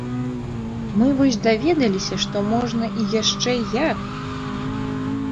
Мы вось даведаліся, што можна і яшчэ як!